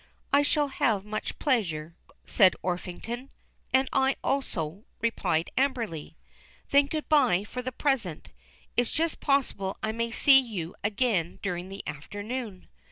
"I shall have much pleasure," said Orpington. "And I also," replied Amberley. "Then good bye for the present. It's just possible I may see you again during the afternoon."